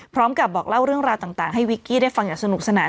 บอกเล่าเรื่องราวต่างให้วิกกี้ได้ฟังอย่างสนุกสนาน